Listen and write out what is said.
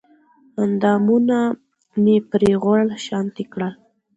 اندامونه مې پرې غوړ شانتې کړل